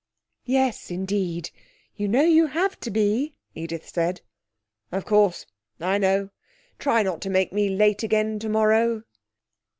'Yes, indeed. You know you have to be,' Edith said. 'Of course I know. Try not to make me late again tomorrow.'